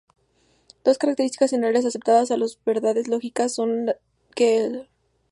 Dos características generalmente aceptadas de las verdades lógicas son que son formales y necesarias.